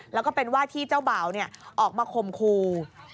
แล้วก็เป็นว่าที่เจ้าบ่าวออกมาคมครู